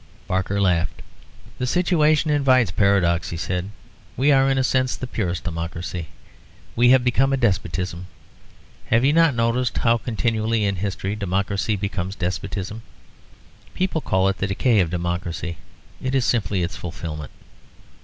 Barker laughed. "The situation invites paradox," he said. "We are, in a sense, the purest democracy. We have become a despotism. Have you not noticed how continually in history democracy becomes despotism? People call it the decay of democracy. It is simply its fulfilment.